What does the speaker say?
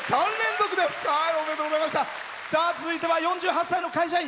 続いては４８歳の会社員。